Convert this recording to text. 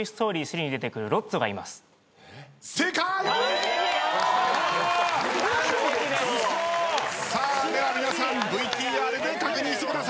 正解！では皆さんＶＴＲで確認してください。